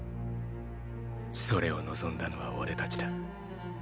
それを望んだのは俺たちだ。